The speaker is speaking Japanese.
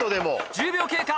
１０秒経過！